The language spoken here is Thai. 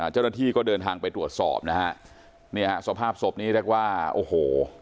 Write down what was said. เจ้าหน้าที่ก็เดินทางไปตรวจสอบนะฮะเนี่ยฮะสภาพศพนี้เรียกว่าโอ้โห